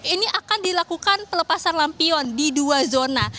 ini akan dilakukan pelepasan lampion di dua zona